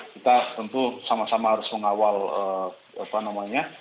kita tentu sama sama harus mengawal apa namanya